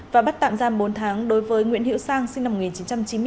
và bắt tạm giam bốn tháng đối với nguyễn hiệu sang sinh năm một nghìn chín trăm chín mươi bốn